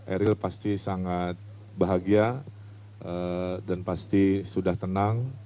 eril pasti sangat bahagia dan pasti sudah tenang